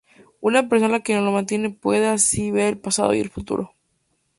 Una persona que lo mantiene puede así ver el pasado y el futuro.